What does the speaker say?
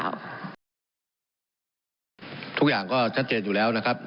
จากตำแหน่งคอสชทุกอย่างก็ชัดเจนอยู่แล้วนะครับ